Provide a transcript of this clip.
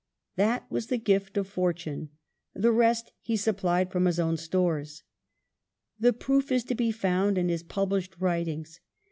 That was the gift of Fortune; the rest he supplied from his own stores. The proof is to be found in his published writings.